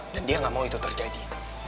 dan dia gak mau itu terjadi